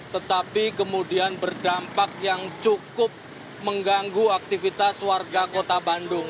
tetapi kemudian berdampak yang cukup mengganggu aktivitas warga kota bandung